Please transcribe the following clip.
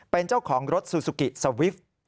เป็นเจ้าของรถซูซูกิสวิปต์